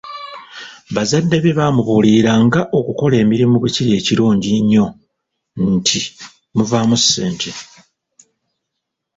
Bazadde be bamubuulirira nga okukola emirimu bwe kiri ekirungi ennyo nti muvaamu ssente.